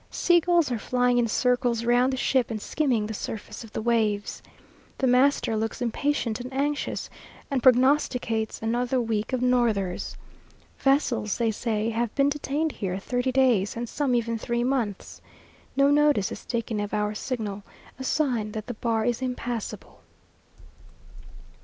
Sea gulls are flying in circles round the ship and skimming the surface of the waves. The master looks impatient and anxious, and prognosticates another week of northers. Vessels, they say, have been detained here thirty days, and some even three months! No notice is taken of our signal a sign that the bar is impassable.